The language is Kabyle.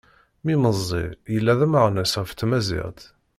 Mi meẓẓi yella d ameɣnas ɣef tmaziɣt.